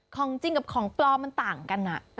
ของจริงกับของปลอมมันต่างกัน